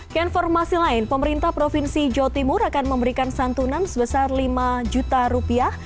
keinformasi lain pemerintah provinsi jawa timur akan memberikan santunan sebesar lima juta rupiah